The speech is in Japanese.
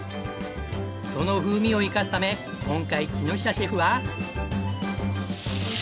その風味を生かすため今回木下シェフは。